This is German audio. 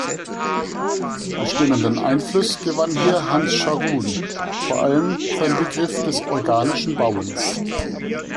Bestimmenden Einfluss gewann hier Hans Scharoun, vor allem sein Begriff des „organischen Bauens“.